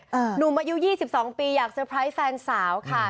เอ่อหนุ่มอายุยี่สิบสองปีอยากสเตอร์ไพรส์แฟนสาวค่ะ